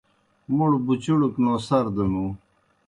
موْڑ بُچُڑَک نوسار دہ نُوں۔